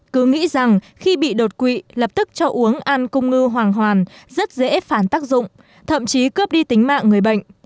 cứ nghĩ rằng khi bị đột quỵ lập tức cho uống ăn cung ngư hoàng hoàn rất dễ phản tác dụng thậm chí cướp đi tính mạng người bệnh